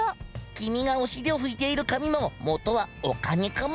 きみがおしりをふいている紙ももとはお金かも。